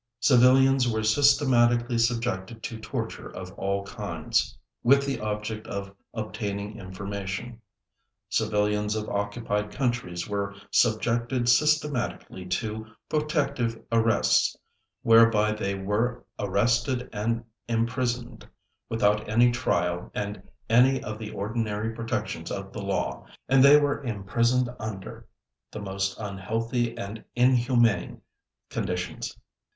Civilians were systematically subjected to tortures of all kinds, with the object of obtaining information. Civilians of occupied countries were subjected systematically to "protective arrests" whereby they were arrested and imprisoned without any trial and any of the ordinary protections of the law, and they were imprisoned under the most unhealthy and inhumane conditions.